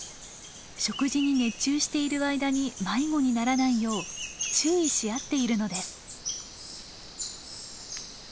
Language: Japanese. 食事に熱中している間に迷子にならないよう注意し合っているのです。